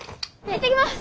行ってきます。